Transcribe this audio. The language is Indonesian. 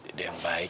ide yang baik